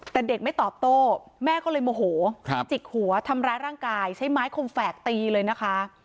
แต่เด็กไม่ตอบโต้แม่ก็เลยโมโหจิกหัวทำร้ายร่างกายใช้ไม้คมแฝกตีเลยนะคะ